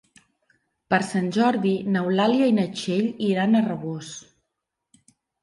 Per Sant Jordi n'Eulàlia i na Txell iran a Rabós.